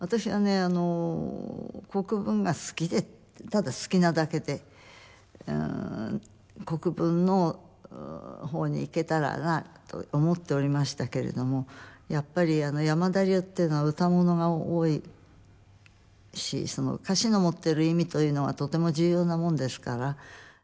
あの国文が好きでただ好きなだけで国文の方に行けたらなと思っておりましたけれどもやっぱり山田流っていうのは唄物が多いしその歌詞の持っている意味というのはとても重要なもんですから。